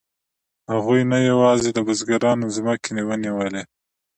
هغوی نه یوازې د بزګرانو ځمکې ونیولې